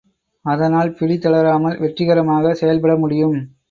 அதனால் பிடி தளராமல் வெற்றிகரமாக செயல்பட முடியும்.